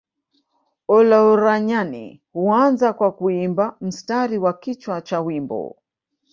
Olaranyani huanza kwa kuimba mstari wa kichwa cha wimbo